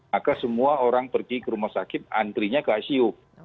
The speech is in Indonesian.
maka semua orang pergi ke rumah sakit antrinya ke icu